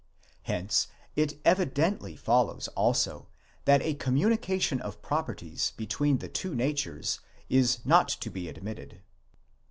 Hence it evidently follows also that a communication of properties between the two natures is not to be admitted.